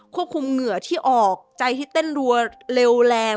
เหงื่อที่ออกใจที่เต้นรัวเร็วแรง